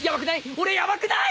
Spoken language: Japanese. ヤバくない！？